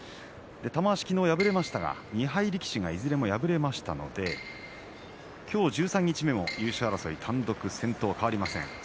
玉鷲、昨日敗れましたが２敗力士がいずれも敗れましたので今日、十三日目、優勝争い単独トップは変わりません。